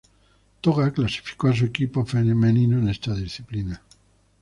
Toga clasificó a su equipo femenino en esta disciplina.